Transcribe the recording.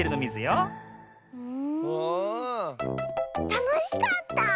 たのしかった！